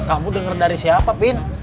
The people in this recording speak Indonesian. kamu dengar dari siapa pin